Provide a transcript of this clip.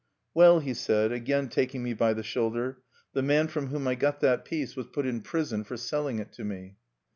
"Well," he said, again taking me by the shoulder, "the man from whom I got that piece was put in prison for selling it to me."